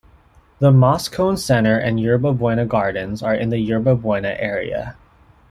The Moscone Center and Yerba Buena Gardens are in the Yerba Buena area.